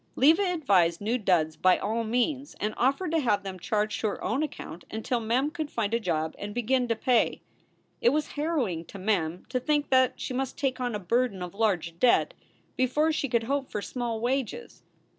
Leva advised new duds by all means, and offered to have them charged to her own account until Mem could find a job and begin to pay. It was harrowing to Mem to think that she must take on a burden of large debt before she could hope for small wages.